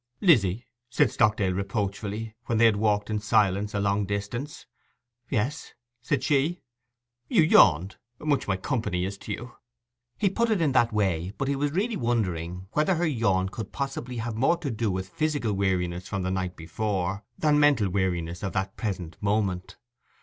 'Lizzy,' said Stockdale reproachfully, when they had walked in silence a long distance. 'Yes,' said she. 'You yawned—much my company is to you!' He put it in that way, but he was really wondering whether her yawn could possibly have more to do with physical weariness from the night before than mental weariness of that present moment.